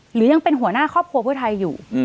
หรือยังเป็นหัวหน้าครอบครัวเพื่อไทยอยู่